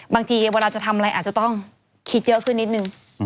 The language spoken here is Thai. บางทีเวลาจะทำอะไรอาจจะต้องคิดเยอะขึ้นนิดนึง